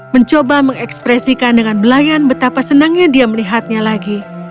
mencoba mengekspresikan dengan belayan betapa senangnya dia melihatnya lagi